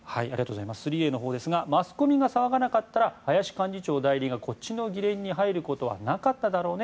３Ａのほうですがマスコミが騒がなかったら林幹事長代理がこっちの議連に入ることはなかっただろうね